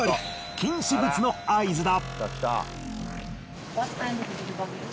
禁止物の合図だ。